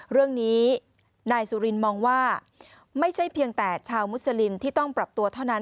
เรื่องนี้นายสุรินมองว่าไม่ใช่เพียงแต่ชาวมุสลิมที่ต้องปรับตัวเท่านั้น